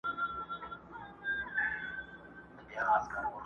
که هر څو یې پښې تڼاکي په ځغستا کړې،